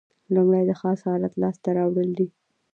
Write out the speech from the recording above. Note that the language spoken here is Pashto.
لومړی د خاص حالت لاس ته راوړل دي.